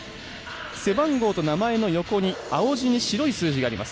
背番号と名前の横に青地に白い数字があります。